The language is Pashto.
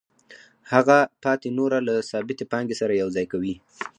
هغه پاتې نوره له ثابتې پانګې سره یوځای کوي